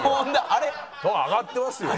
上がってますよ。